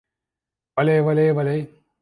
Валяй, валяй, валяй!